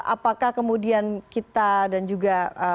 apakah kemudian kita dan juga